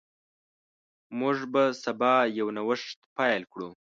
موږ به سبا یو نوښت پیل کړو.